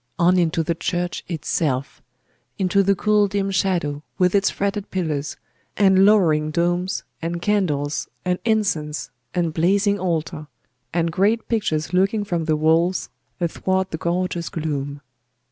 On into the church itself! Into the cool dim shadow, with its fretted pillars, and lowering domes, and candles, and incense, and blazing altar, and great pictures looking from the walls athwart the gorgeous gloom.